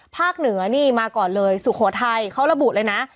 เหนือนี่มาก่อนเลยสุโขทัยเขาระบุเลยนะ